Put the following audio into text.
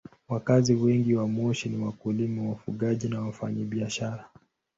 Wakazi wengi wa Moshi ni wakulima, wafugaji na wafanyabiashara.